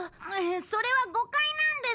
それは誤解なんです。